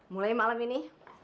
mulai malam ini